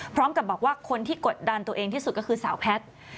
พร้อมกับบอกว่าคนที่กดดันตัวเองที่สุดก็คือสาวแพทย์